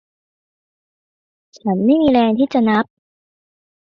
ฉันไม่มีแรงที่จะนับ